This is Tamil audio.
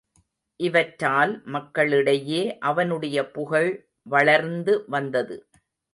இவற்றால் மக்களிடையே அவனுடைய புகழ் வளர்ந்து வந்தது.